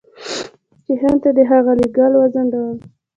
چې هند ته دې د هغه لېږل وځنډول شي.